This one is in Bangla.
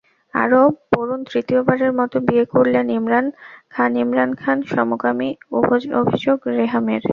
আরও পড়ুনতৃতীয়বারের মতো বিয়ে করলেন ইমরান খানইমরান খান সমকামী, অভিযোগ রেহামের